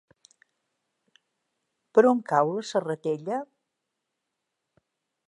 Per on cau la Serratella?